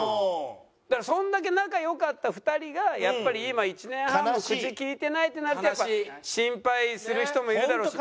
だからそれだけ仲良かった２人がやっぱり今１年半も口利いてないってなると心配する人もいるだろうし。